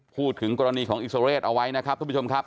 พูดถึงกรณีของอิสราเรศเอาไว้นะครับทุกผู้ชมครับ